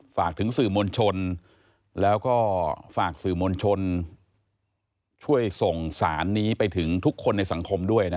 ฝากถึงสื่อมวลชนแล้วก็ฝากสื่อมวลชนช่วยส่งสารนี้ไปถึงทุกคนในสังคมด้วยนะ